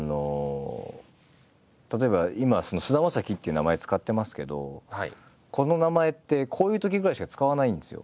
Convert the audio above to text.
例えば今「菅田将暉」っていう名前使ってますけどこの名前ってこういうときぐらいしか使わないんですよ。